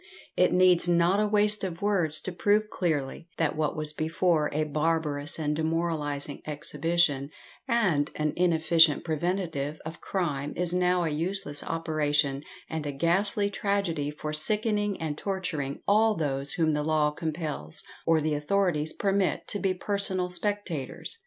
It needs not a waste of words to prove clearly, that what was before a barbarous and demoralising exhibition, and an inefficient preventative of crime, is now a useless operation and a ghastly tragedy for sickening and torturing all those whom the law compels or the authorities permit to be personal spectators.